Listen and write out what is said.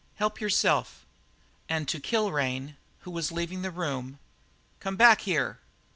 "Help yourself." And to Kilrain, who was leaving the room: "Come back here."